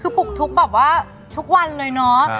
คือปลุกทุกแบบว่าทุกวันเลยเนาะ